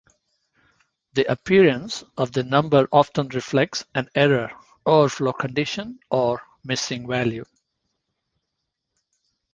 The appearance of the number often reflects an error, overflow condition, or missing value.